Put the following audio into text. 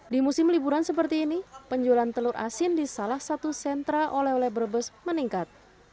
di musim liburan seperti ini penjualan telur asin di salah satu sentra oleh oleh brebes meningkat